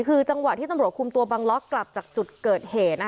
คือจังหวะที่ตำรวจคุมตัวบังล็อกกลับจากจุดเกิดเหตุ